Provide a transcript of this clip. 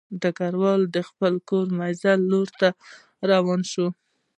ډګروال د خپل کاري مېز لور ته روان شو